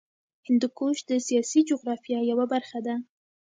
هندوکش د سیاسي جغرافیه یوه برخه ده.